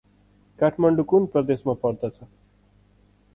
काठमाडौं कुन प्रदेशमा पर्दछ?